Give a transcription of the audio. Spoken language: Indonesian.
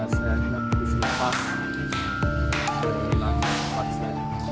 saya telah diselipas pulang dipaksa